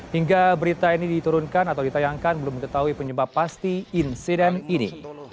hingga berita ini diturunkan atau ditayangkan belum mengetahui penyebab pasti insiden ini